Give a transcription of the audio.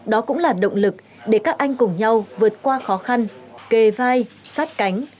đó cũng là động lực để các anh cùng nhau vượt qua khó khăn kề vai sát cánh